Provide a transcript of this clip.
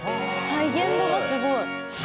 再現度もすごい。